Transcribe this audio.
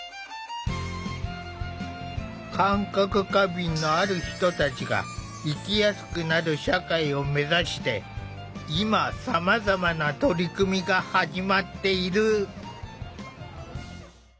感覚過敏のある人たちが生きやすくなる社会をめざして今さまざまな取り組みが始まっている。